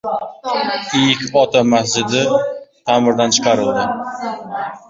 "Iyk ota" masjidi ta’mirdan chiqarildi